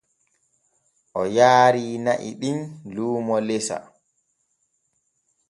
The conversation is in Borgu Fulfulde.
O yaari na'i ɗin luumo lesa.